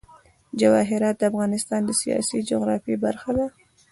جواهرات د افغانستان د سیاسي جغرافیه برخه ده.